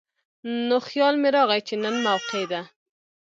نو خيال مې راغے چې نن موقع ده ـ